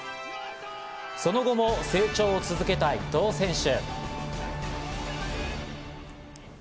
その後も成長を続けた伊藤選手。